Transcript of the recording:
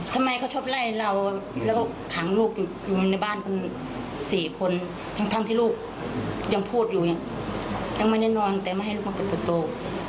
ทั้งทั้งที่ลูกยังพูดอยู่ยังไม่แน่นอนแต่ไม่ให้ลูกมาเปิดประตู